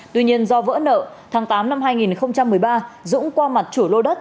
tuy nhiên do vỡ nợ tháng tám năm hai nghìn một mươi ba dũng qua mặt chủ lô đất